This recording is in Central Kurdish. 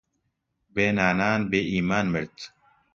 بێ نانان بێ ئیمان مرد